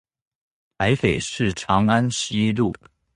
臺北市長安西路